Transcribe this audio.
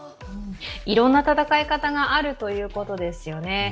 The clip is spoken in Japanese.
いろいろな戦い方があるということですよね。